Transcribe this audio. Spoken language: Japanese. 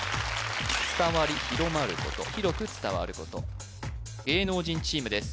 伝わり広まること広く伝わること芸能人チームです